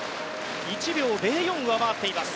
１秒０４上回っています。